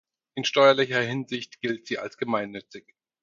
In steuerlicher Hinsicht gilt sie als gemeinnützig.